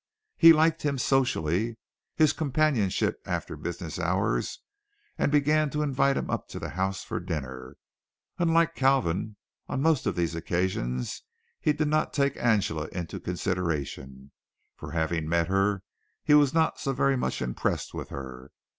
He liked him socially his companionship after business hours and began to invite him up to the house to dinner. Unlike Kalvin, on most of these occasions he did not take Angela into consideration, for having met her he was not so very much impressed with her.